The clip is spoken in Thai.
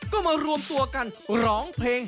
ก็มารวมตัวกันร้องเพลง